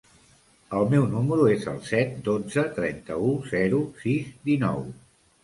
El meu número es el set, dotze, trenta-u, zero, sis, dinou.